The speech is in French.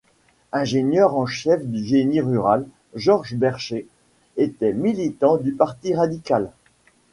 Ingénieur en chef du génie rural, Georges Berchet était militant du Parti Radical.